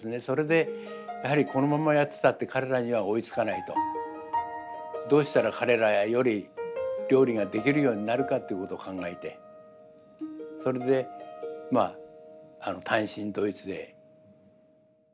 それでやはりこのままやってたって彼らには追いつかないと。どうしたら彼らより料理ができるようになるかっていうことを考えてそれでまあ単身ドイツへ。